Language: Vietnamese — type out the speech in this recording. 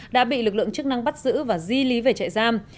đã bị lực lượng chức năng bắt giữ và di lý về trại giam